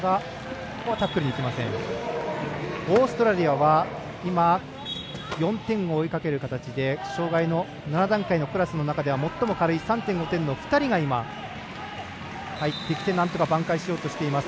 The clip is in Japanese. オーストラリアは今、４点を追いかける形で障がいの７段階のクラスの中では最も軽い３．５点の２人が入ってきてなんとか挽回しようとしています。